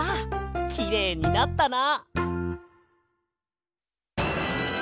きれいになったな。